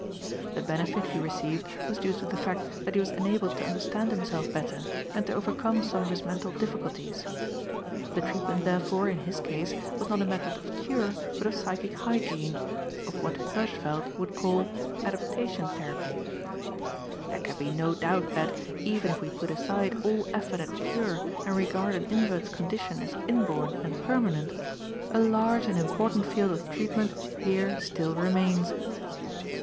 The benefit he received was due to the fact that he was enabled to understand himself better and to overcome some of his mental difficulties. The treatment, therefore, in his case, was not a method of cure, but of psychic hygiene, of what Hirschfeld would call "adaptation therapy." There can be no doubt that even if we put aside all effort at cure and regard an invert's condition as inborn and permanent a large and important field of treatment here still remains.